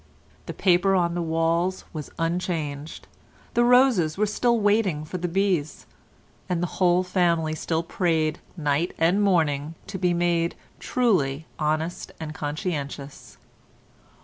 The paper on the walls was unchanged; the roses were still waiting for the bees; and the whole family still prayed night and morning to be made "truly honest and conscientious."